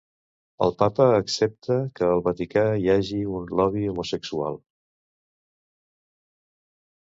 El Papa accepta que al Vaticà hi ha un 'lobby' homosexual.